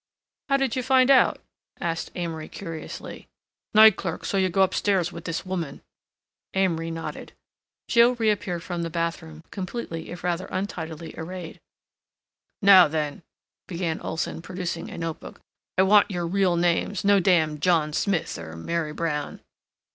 "How did you find out?" asked Amory curiously. "Night clerk saw you go up stairs with this woman." Amory nodded; Jill reappeared from the bathroom, completely if rather untidily arrayed. "Now then," began Olson, producing a note book, "I want your real names—no damn John Smith or Mary Brown."